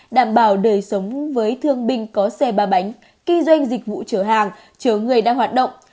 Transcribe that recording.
đảm bảo đời sống với thương binh có xe ba bánh kinh doanh dịch vụ chở hàng chở người đang hoạt động